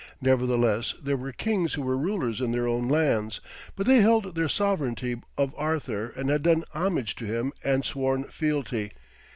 Nevertheless, there were kings who were rulers in their own lands, but they held their sovereignty of Arthur and had done homage to him and sworn fealty.